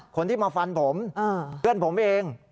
คนที่มาฟันผมเพื่อนผมเอง